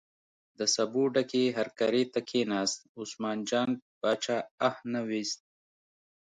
د سبو ډکې هرکارې ته کیناست، عثمان جان باچا اه نه ویست.